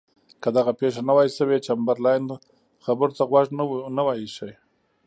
که دغه پېښه نه وای شوې چمبرلاین خبرو ته غوږ نه وای ایښی.